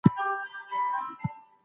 اقتصاد د هر هیواد لپاره خورا مهم دی.